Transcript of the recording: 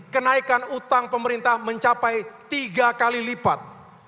kenaikan utang pemerintah mencapai tiga kali lipat